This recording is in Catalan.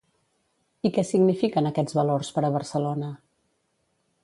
I què signifiquen aquests valors per a Barcelona?